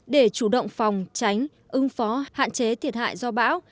để chủ động phòng tránh ứng phó hạn chế thiệt hại do bão